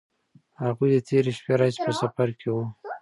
هغوی له تېرې شپې راهیسې په سفر کې وو.